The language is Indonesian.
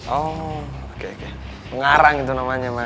oh oke oke pengarang itu namanya mak